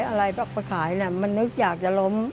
อะไรออกไปขายเนี่ยมันนึกอยากจะล้ม